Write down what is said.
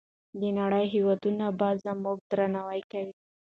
د نړۍ هېوادونه به زموږ درناوی کوي.